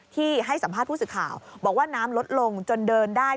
ให้สัมภาษณ์ผู้สื่อข่าวบอกว่าน้ำลดลงจนเดินได้